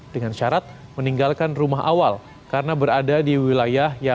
dengan syarat meninggalkan rumah awal karena berada di wilayah yang